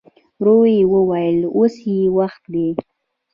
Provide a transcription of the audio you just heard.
ورو يې وويل: اوس يې وخت دی.